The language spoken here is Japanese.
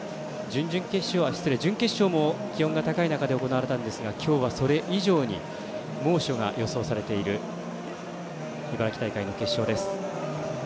準決勝も気温が高い中で行われたんですが今日はそれ以上に猛暑が予想されている茨城大会の決勝です。